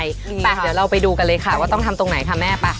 เดี๋ยวเราไปดูกันเลยค่ะว่าต้องทำตรงไหนค่ะแม่ป่ะ